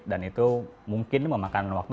dan itu mungkin memakan waktu